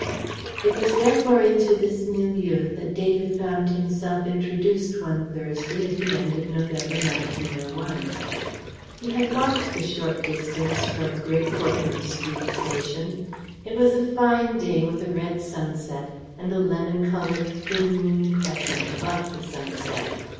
It was therefore into this milieu that David found himself introduced one Thursday at the end of November, 1901. He had walked the short distance from Great Portland Street station. It was a fine day with a red sunset, and a lemon coloured, thin moon crescent above the sunset.